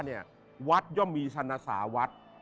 เนี่ยวัดย่อมมีสรรสาว